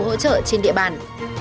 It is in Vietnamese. hỗ trợ trên địa bàn